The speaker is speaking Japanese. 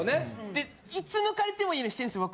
でいつ抜かれてもいいようにしてるんですよ